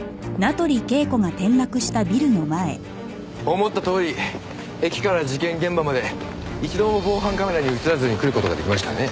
思ったとおり駅から事件現場まで一度も防犯カメラに映らずに来る事が出来ましたね。